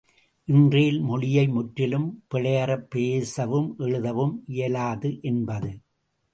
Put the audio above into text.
இன்றேல், மொழியை முற்றிலும் பிழையறப் பேசவும் எழுதவும் இயலாது என்பது.